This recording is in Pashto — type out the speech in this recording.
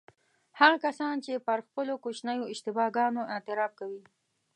هغه کسان چې پر خپلو کوچنیو اشتباه ګانو اعتراف کوي.